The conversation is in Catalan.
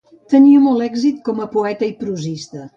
Tenia molt èxit com poeta i prosista.